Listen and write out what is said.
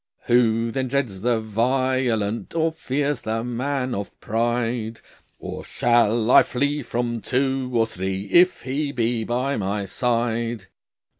"Who then dreads the violent, Or fears the man of pride? Or shall I flee from two or three If He be by my side?"